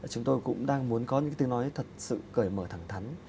chúng tôi cũng đang muốn có những cái tình nói thật sự cởi mở thẳng thắn